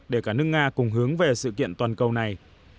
để cả nước nga cùng hướng về sự kiện toàn cầu này